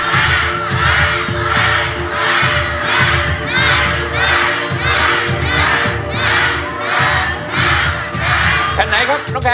เพลงนี้ที่๕หมื่นบาทแล้วน้องแคน